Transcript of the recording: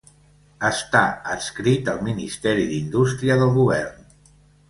Està adscrit al Ministeri d'Indústria del Govern.